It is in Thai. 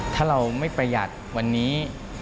ถ้าเราไม่ประหยัดวันนี้